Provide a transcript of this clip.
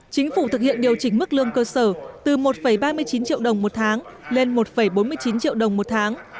chính phủ thực hiện điều chỉnh mức lương cơ sở từ một ba mươi chín triệu đồng một tháng lên một bốn mươi chín triệu đồng một tháng